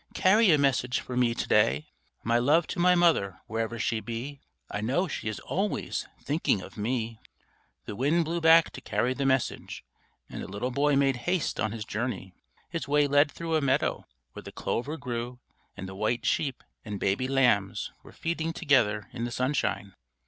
Carry a message for me to day: My love to my mother, wherever she be; I know she is always thinking of me_." The wind blew back to carry the message, and the little boy made haste on his journey. His way lead through a meadow, where the clover grew and the white sheep and baby lambs were feeding together in the sunshine.